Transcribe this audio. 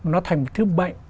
nó thành một thứ bệnh